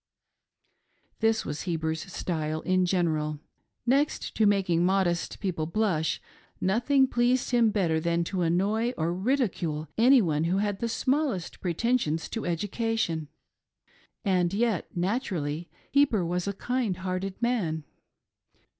This was Heber's style in general. Next to making modest people blush, nothing pleased him better than to annoy or ridicule any one who had the smallest pretensions to educa tion ; and yet naturally Heber was a kind hearted man.